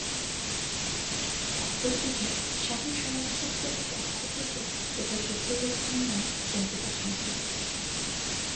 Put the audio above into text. অপরদিকে শাহীন সমর্থকদের পক্ষ থেকে কেবল জহিরুল ইসলামের নাম কেন্দ্রে পাঠানো হয়।